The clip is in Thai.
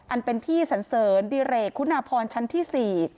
อันเป็นที่สันเสริญดิเรกคุณพรชั้นที่๔